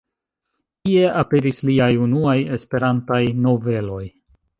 Tie aperis liaj unuaj Esperantaj noveloj.